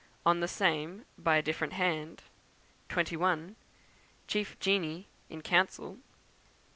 On the Same, by a different hand; 21. Chief Genii in Council; 22.